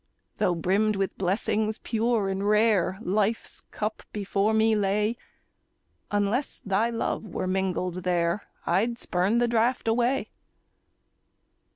Tho' brimmed with blessings, pure and rare, Life's cup before me lay, Unless thy love were mingled there, I'd spurn the draft away.